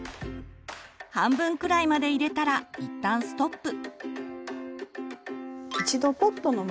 半分くらいまで入れたらいったんストップ。